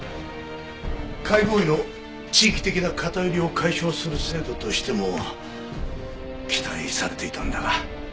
解剖医の地域的な偏りを解消する制度としても期待されていたんだが。